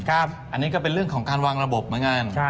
อันนี้ก็เป็นเรื่องของการวางระบบเหมือนกัน